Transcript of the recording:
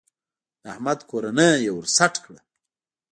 د احمد کورنۍ يې ور سټ کړه.